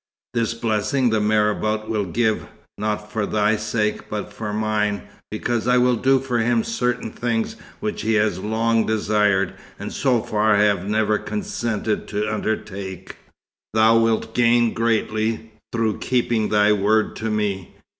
This blessing the marabout will give, not for thy sake, but for mine, because I will do for him certain things which he has long desired, and so far I have never consented to undertake. Thou wilt gain greatly through keeping thy word to me.